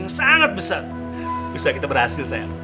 yang sangat besar bisa kita berhasil saya